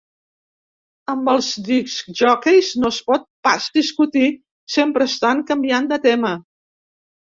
Amb els discjòqueis no es pot pas discutir, sempre estan canviant de tema.